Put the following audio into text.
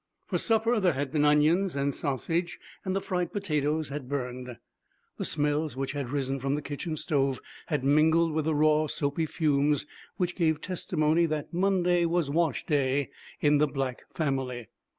For supper there had been onions and sausage, and the fried potatoes had burned. The smells which had risen from the kitchen stove had mingled with the raw, soapy fumes which gave testimony that Monday was wash day in the Black family.